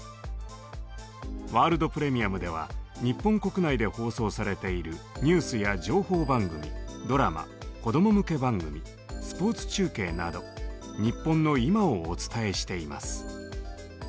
「ワールド・プレミアム」では日本国内で放送されているニュースや情報番組ドラマ子供向け番組スポーツ中継など日本の今をお伝えしています。